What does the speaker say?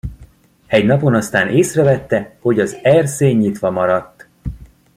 Egy napon aztán észrevette, hogy az erszény nyitva maradt.